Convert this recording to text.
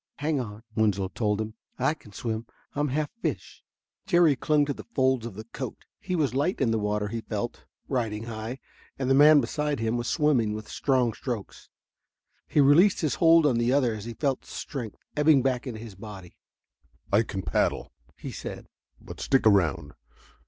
"Hang on," Winslow told him. "I can swim. I'm half fish." Jerry clung to the folds of the coat. He was light in the water, he felt riding high and the man beside him was swimming with strong strokes. He released his hold on the other as he felt strength ebbing back into his body. "I can paddle," he said: "but stick around.